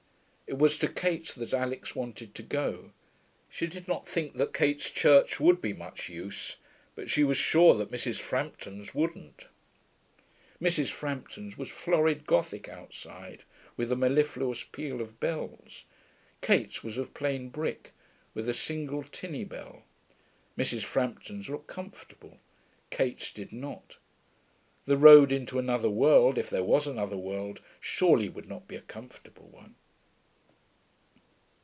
It was to Kate's that Alix wanted to go. She did not think that Kate's church would be much use, but she was sure that Mrs. Frampton's wouldn't. Mrs. Frampton's was florid Gothic outside, with a mellifluous peal of bells. Kate's was of plain brick, with a single tinny bell. Mrs. Frampton's looked comfortable. Kate's did not. The road into another world, if there was another world, surely would not be a comfortable one....